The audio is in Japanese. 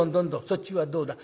そっちはどうだ？